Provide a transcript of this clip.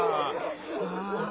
ああ。